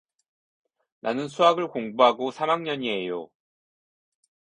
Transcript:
나는 수학을 공부하고 삼학년이에요.